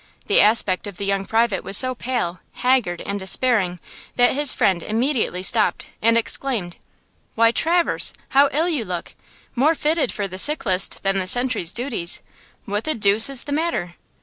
The aspect of the young private was so pale, haggard and despairing that his friend immediately stopped and exclaimed: "Why Traverse, how ill you look! More fitted for the sick list than the sentry's duties. What the deuce is the matter?"